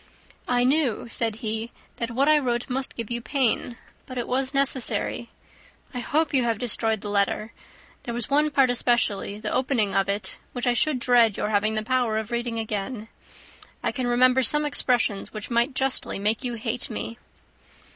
"I knew," said he, "that what I wrote must give you pain, but it was necessary. I hope you have destroyed the letter. There was one part, especially the opening of it, which I should dread your having the power of reading again. I can remember some expressions which might justly make you hate me."